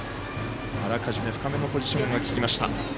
あらかじめ、深めのポジションが効きました。